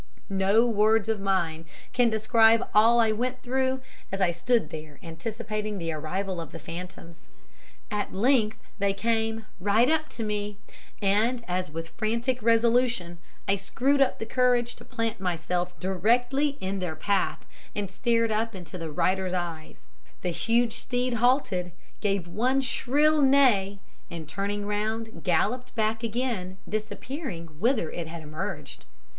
No words of mine can describe all I went through as I stood there anticipating the arrival of the phantoms. At length they came, right up to me; and as, with frantic resolution, I screwed up courage to plant myself directly in their path, and stared up into the rider's eyes, the huge steed halted, gave one shrill neigh, and turning round, galloped back again, disappearing whither it had emerged.